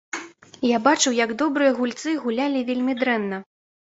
Я бачыў, як добрыя гульцы гулялі вельмі дрэнна.